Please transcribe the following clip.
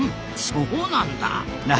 そうなんだ！